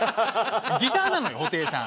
ギターなのよ布袋さん。